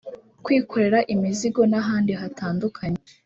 kwikorera imizigo n’ahandi hatandukanye